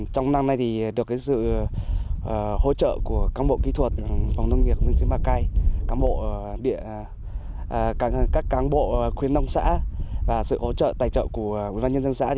trong năm nay được sự hỗ trợ của các bộ kỹ thuật phòng nông nghiệp nguyên sinh bà cai các bộ khuyến nông xã và sự hỗ trợ tài trợ của quý văn nhân dân xã